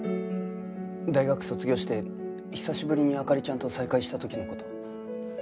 大学卒業して久しぶりに灯ちゃんと再会した時の事。